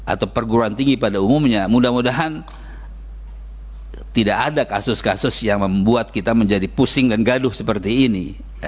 atau perguruan tinggi pada umumnya mudah mudahan tidak ada kasus kasus yang membuat kita menjadi pusing dan gaduh seperti ini